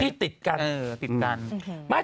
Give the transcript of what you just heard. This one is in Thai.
ที่ติดกัน